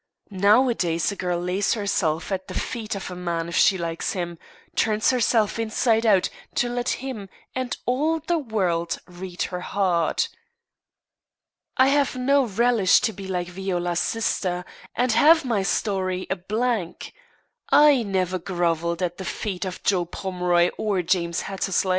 Nowadays a girl lays herself at the feet of a man if she likes him, turns herself inside out to let him and all the world read her heart." "I have no relish to be like Viola's sister, and have my story a blank. I never grovelled at the feet of Joe Pomeroy or James Hattersley."